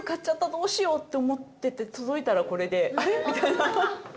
どうしよう」って思ってて届いたらこれであれ？みたいな。